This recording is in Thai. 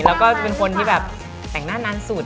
แล้วก็เป็นคนที่แบบแต่งหน้านานสุด